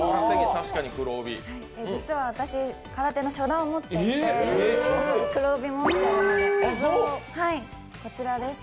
実は私、空手の初段を持っていて、黒帯、持ってるんです。